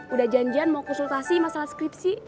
udah janjian mau konsultasi masalah skripsi